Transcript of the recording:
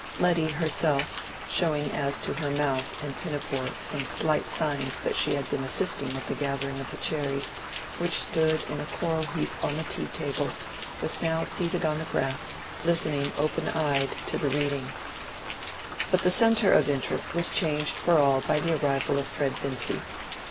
Letty herself, showing as to her mouth and pinafore some slight signs that she had been assisting at the gathering of the cherries which stood in a coral heap on the tea table, was now seated on the grass, listening open eyed to the reading. But the centre of interest was changed for all by the arrival of Fred Vincy.